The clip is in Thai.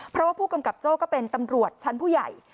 เพราะว่าผู้กำกับโจ้ก็เป็นตำรวจชั้นผู้ใหญ่